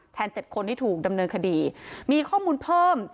๗คนที่ถูกดำเนินคดีมีข้อมูลเพิ่ม